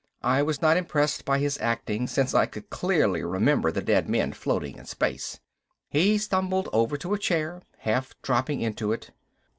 I was not impressed by his acting since I could clearly remember the dead men floating in space. He stumbled over to a chair, half dropping into it.